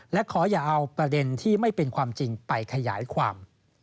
และขออย่าเอาประเด็นที่ไม่เป็นความจริงไปขยายความ